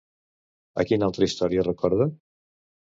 A quina altra història recorda?